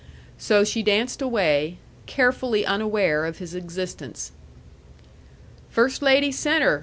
So she danced away, carefully unaware of his existence. "First lady, centre!"